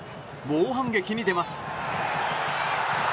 猛反撃に出ます。